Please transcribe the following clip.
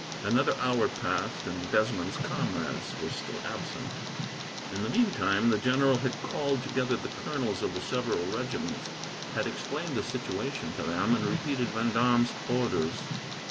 Another hour passed, and Desmond's comrades were still absent. In the meantime, the general had called together the colonels of the several regiments, had explained the situation to them, and repeated Vendome's orders.